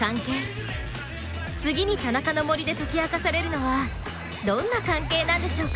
次にタナカの森で解き明かされるのはどんな関係なんでしょうか？